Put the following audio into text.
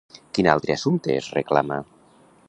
Quin altre assumpte es reclama?